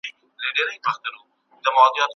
¬اسان ئې نالول، چنگښو هم پښې پورته کړې.